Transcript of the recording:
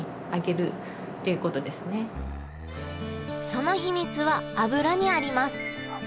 その秘密は油にあります。